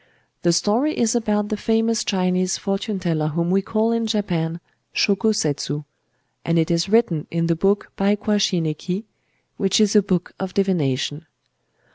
"The story is about the famous Chinese fortune teller whom we call in Japan Shōko Setsu, and it is written in the book Baikwa Shin Eki, which is a book of divination.